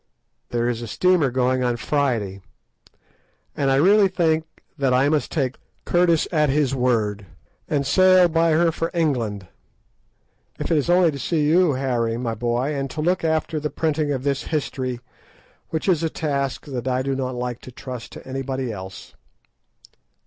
There is a steamer going on Friday, and I really think that I must take Curtis at his word, and sail by her for England, if it is only to see you, Harry, my boy, and to look after the printing of this history, which is a task that I do not like to trust to anybody else.